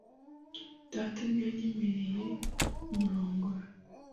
Data ntiyanyemereye kumurongora .